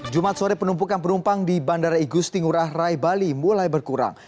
jumat sore penumpukan penumpang di bandara igusti ngurah rai bali mulai berkurang